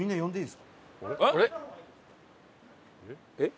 えっ？